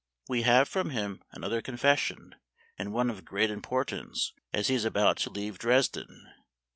We have from him another confession, and one of great impor tance, as he is about to leave Dresden.